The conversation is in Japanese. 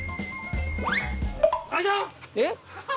えっ？